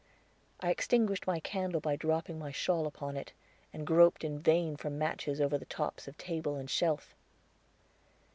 I extinguished my candle by dropping my shawl upon it, and groped in vain for matches over the tops of table and shelf.